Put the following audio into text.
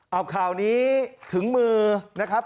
เอาข่าวนี้ถึงมือนะครับ